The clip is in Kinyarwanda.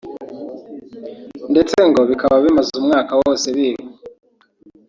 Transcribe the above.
ndetse ngo bikaba bimaze umwaka wose biba